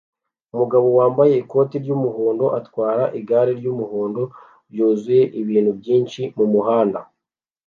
Umugabo wambaye ikoti ry'umuhondo atwara igare ry'umuhondo ryuzuye ibintu byinshi mumuhanda